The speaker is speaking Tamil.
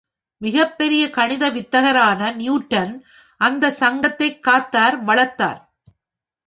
மிகப்பெரிய கணித வித்தகரான நியூடன் அந்தச் சங்கததைக் காத்தார், வளர்த்தார்!